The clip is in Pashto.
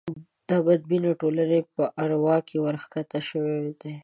دا بدبینۍ د ټولنې په اروا کې ورکښته شوې وې.